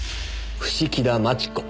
伏木田真智子。